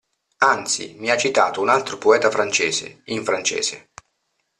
Anzi, mi ha citato un altro poeta francese, in francese.